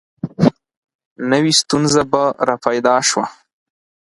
نوي ستونزه به را پیدا شوه.